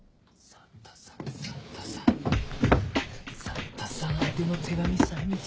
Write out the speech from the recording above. サンタさん宛ての手紙さえ見つかればな。